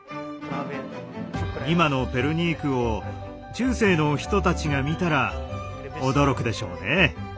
今のペルニークを中世の人たちが見たら驚くでしょうね。